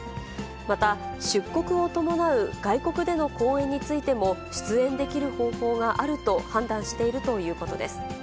また出国を伴う外国での公演についても出演できる方法があると判断しているということです。